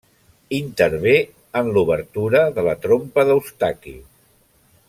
Intervé en l'obertura de la trompa d'Eustaqui.